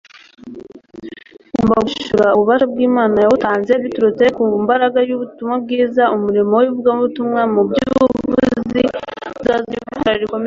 ugomba guhishura ububasha bw'imana yawutanze. biturutse ku mbaraga y'ubutumwa bwiza, umurimo w'ivugabutumwa mu by'ubuvuzi uzazana ivugurura rikomeye